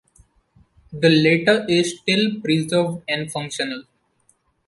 The latter is still preserved and functional.